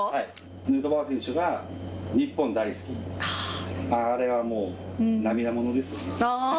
ヌートバー選手が日本大好き、あれはもう涙ものですよね。